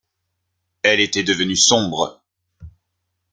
Elle était devenue sombre.